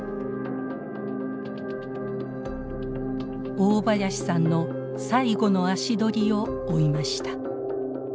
大林さんの最後の足取りを追いました。